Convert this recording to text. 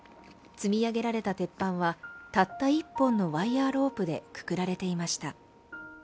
積み上げられた鉄板はたった１本のワイヤーロープでくくられていました。